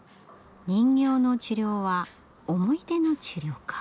人形の治療は思い出の治療か。